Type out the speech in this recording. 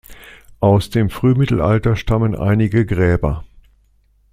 Aus dem Frühmittelalter stammen einige Gräber.